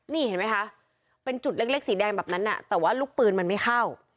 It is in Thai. นี่เห็นไหมคะเป็นจุดเล็กสีแดงแบบนั้นแต่ว่าลูกปืนมันไม่เข้า